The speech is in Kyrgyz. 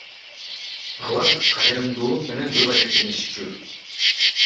Алар кайрымдуулук менен көп алектенишчү.